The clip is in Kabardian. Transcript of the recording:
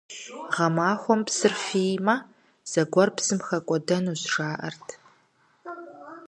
Гъэмахуэм псыр фиймэ, зыгуэр псым хэкӀуэдэнущ, жаӀэрт.